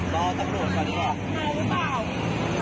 รอตำรวจก่อนก่อน